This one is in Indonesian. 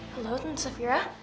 halo tante saphira